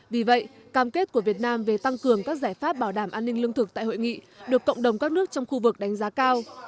vì vậy cam kết của việt nam về tăng cường các giải pháp bảo đảm an ninh lương thực tại hội nghị được cộng đồng các nước trong khu vực đánh giá cao